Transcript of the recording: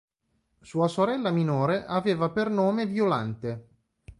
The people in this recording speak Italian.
Sua sorella minore aveva per nome Violante.